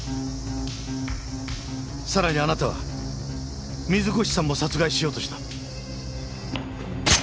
さらにあなたは水越さんも殺害しようとした。